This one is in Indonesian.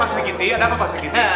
pak segiti ada apa pak segiti